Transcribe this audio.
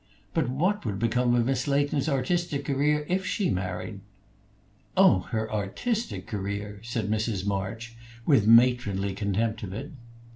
But what would become of Miss Leighton's artistic career if she married?" "Oh, her artistic career!" said Mrs. March, with matronly contempt of it.